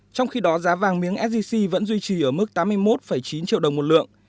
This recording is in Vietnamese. trong khi đó giá vàng miếng sgc vẫn duy trì ở mức tám mươi một chín triệu đồng một lượng